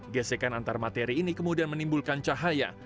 gesekan antar materi ini kemudian menimbulkan cahaya